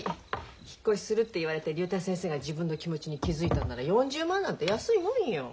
引っ越しするって言われて竜太先生が自分の気持ちに気付いたんなら４０万なんて安いもんよ。